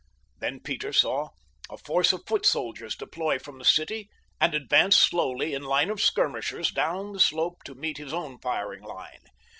Then Peter saw a force of foot soldiers deploy from the city and advance slowly in line of skirmishers down the slope to meet his own firing line.